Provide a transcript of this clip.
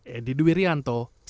edi duwiryanto kementerian esdm